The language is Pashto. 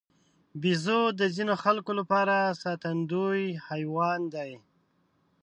بیزو د ځینو خلکو لپاره ساتندوی حیوان دی.